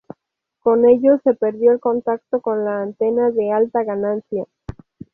Con ello se perdió el contacto con la antena de alta ganancia.